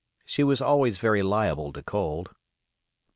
She was always very liable to cold.